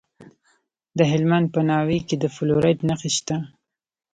د هلمند په ناوې کې د فلورایټ نښې شته.